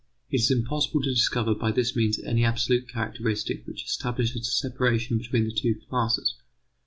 It is impossible to discover by this means any absolute characteristic which establishes a separation between the two classes.